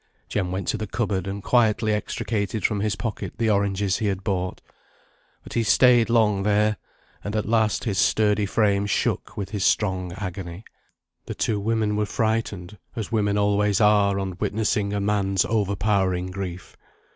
Jem went to the cupboard, and quietly extricated from his pocket the oranges he had bought. But he stayed long there, and at last his sturdy frame shook with his strong agony. The two women were frightened, as women always are, on witnessing a man's overpowering grief.